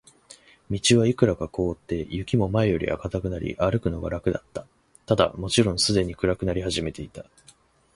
道はいくらか凍って、雪も前よりは固くなり、歩くのが楽だった。ただ、もちろんすでに暗くなり始めていた。